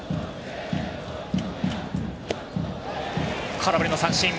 空振り三振！